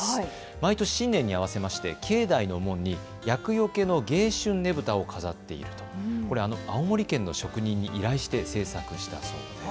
毎年、新年に合わせまして境内の門に厄よけの迎春ねぶたを飾っているという、こちら、青森県の職人に依頼して製作したそうです。